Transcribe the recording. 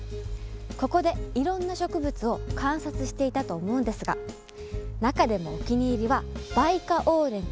ここでいろんな植物を観察していたと思うんですが中でもお気に入りはバイカオウレンという花だったそうです。